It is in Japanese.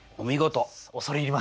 恐れ入ります。